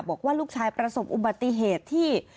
บอกว่าลูกชายประสบอุบัติเหตุที่